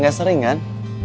gak sering kan